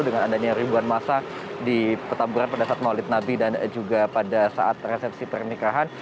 dengan adanya ribuan masa di petamburan pada saat maulid nabi dan juga pada saat resepsi pernikahan